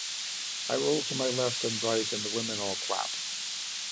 I roll to my left and right and the women all clap.